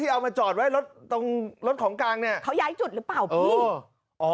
เอามาจอดไว้รถตรงรถของกลางเนี่ยเขาย้ายจุดหรือเปล่าพี่